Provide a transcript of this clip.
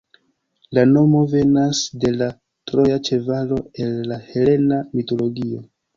La nomo venas de la troja ĉevalo el la helena mitologio.